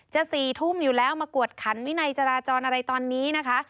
๔ทุ่มอยู่แล้วมากวดขันวินัยจราจรอะไรตอนนี้นะคะ